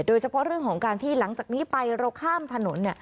โดยเฉพาะเรื่องของการที่หลังจากนี้ไปเราข้ามถนน